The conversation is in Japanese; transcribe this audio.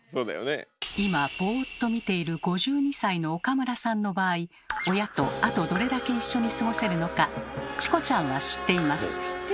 今ボーっと見ている５２歳の岡村さんの場合親とあとどれだけ一緒に過ごせるのかチコちゃんは知っています。